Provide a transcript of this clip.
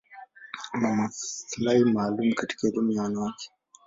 Ana maslahi maalum katika elimu ya wanawake.